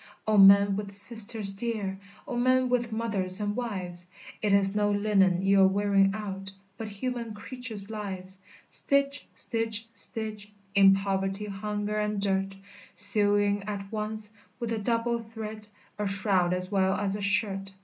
"O men with sisters dear! O men with mothers and wives! It is no linen you're wearing out, But human creatures' lives! Stitch! stitch! stitch, In poverty, hunger, and dirt, Sewing at once, with a double thread, A shroud as well as a shirt!